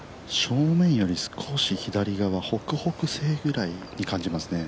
正面より少し左側北北西ぐらいに感じますね。